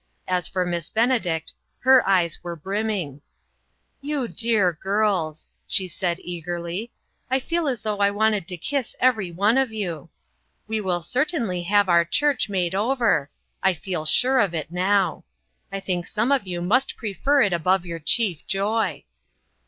As for Miss Benedict, her eyes were brimming. "You dear girls," she said, eagerly, "I "OUR CHURCH." 105 * feel as though I wanted to kiss every one of you. We will certainly have our church made over. I feel sure of it now. I think some of you must prefer it above your chief joy."